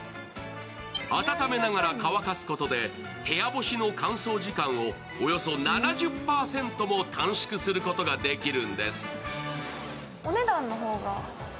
温めながら乾かすことで、部屋干しの乾燥時間をおよそ７０％も短縮することができるんです。